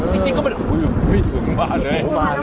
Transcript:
ที่จริงก็ไม่ได้แทบทุกวัน